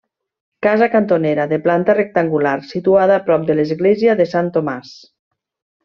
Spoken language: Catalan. Casa cantonera de planta rectangular, situada a prop de l'església de Sant Tomàs.